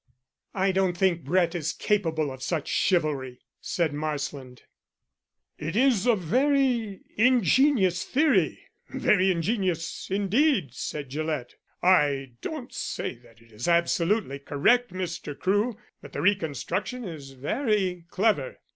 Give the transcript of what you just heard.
"I don't think Brett is capable of such chivalry," said Marsland. "It is a very ingenious theory, very ingenious, indeed," said Gillett. "I don't say that it is absolutely correct, Mr. Crewe, but the reconstruction is very clever.